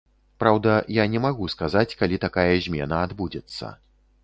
Праўда, я не магу сказаць, калі такая змена адбудзецца.